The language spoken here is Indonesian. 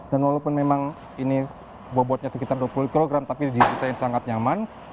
dan walaupun memang ini bobotnya sekitar dua puluh kilogram tapi di situ saya sangat nyaman